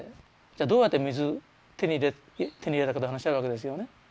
じゃあどうやって水手に入れたかっていう話があるわけですよね。